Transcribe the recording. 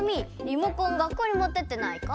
リモコンがっこうにもってってないか？